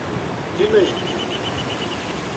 Dima yeldey.